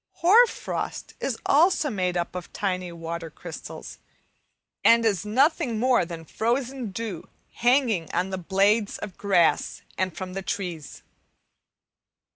Hoar frost is also made up of tiny water crystals, and is nothing more than frozen dew hanging on the blades of grass and from the trees.